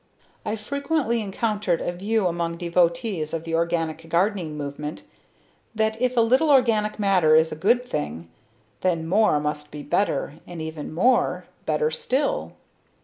I've frequently encountered a view among devotees of the organic gardening movement that if a little organic matter is a good thing, then more must be better and even more better still.